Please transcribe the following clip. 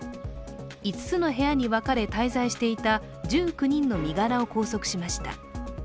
５つの部屋に分かれ、滞在していた１９人の身柄を拘束しました。